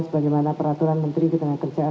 sebagaimana peraturan menteri ketenagakerjaan